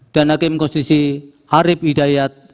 dan hakim konstitusi arief hidayat